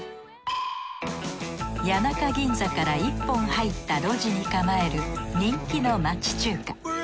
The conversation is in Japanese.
谷中ぎんざから一本入った路地に構える人気の町中華。